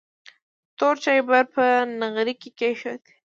تور چایبر یې په نغري کې کېښود.